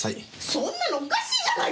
そんなのおかしいじゃないか！